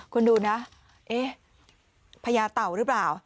คุณดูนะเอ๊ะพญาเต่าหรือเปล่า